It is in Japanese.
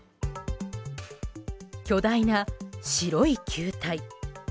巨大な白い球体。